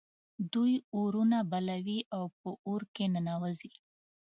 دوی اورونه بلوي او په اور کې ننوزي.